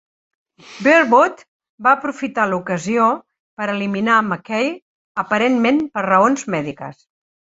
Birdwood va aprofitar l'ocasió per eliminar McCay, aparentment per raons mèdiques.